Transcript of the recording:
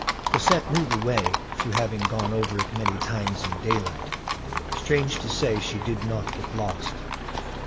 Cosette knew the way, through having gone over it many times in daylight. Strange to say, she did not get lost.